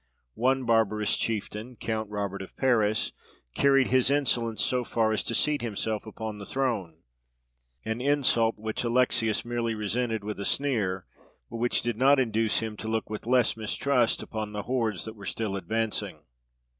One barbarous chieftain, Count Robert of Paris, carried his insolence so far as to seat himself upon the throne; an insult which Alexius merely resented with a sneer, but which did not induce him to look with less mistrust upon the hordes that were still advancing.